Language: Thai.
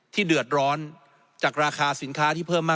เดือดร้อนจากราคาสินค้าที่เพิ่มมาก